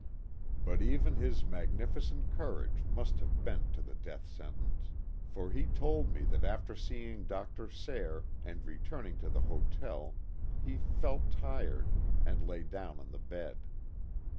But even his magnificent courage must have bent to the death sentence. For Ls told me KIT CARSON. that after seeing Dr. Sayre and returning to the hotel he " felt tired," and lay clown on the bed.